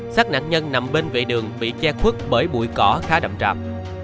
sát nạn nhân nằm bên vệ đường bị che khuất bởi bụi cỏ khá đậm tràm